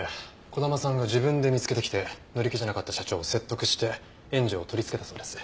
児玉さんが自分で見つけてきて乗り気じゃなかった社長を説得して援助を取り付けたそうです。